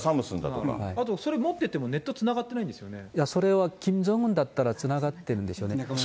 あと、それ持ってても、それはキム・ジョンウンだったらつながってるんでしょうね。